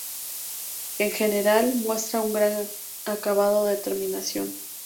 En general, muestra un gran acabado de terminación.